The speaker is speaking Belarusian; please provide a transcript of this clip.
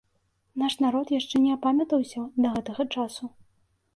Наш народ яшчэ не апамятаўся да гэтага часу.